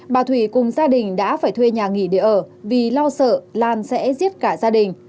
bà thủy cùng gia đình đã phải thuê nhà nghỉ để ở vì lo sợ lan sẽ giết cả gia đình